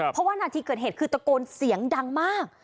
เพราะว่านาทีเกิดเหตุคือตะโกนเสียงดังมาก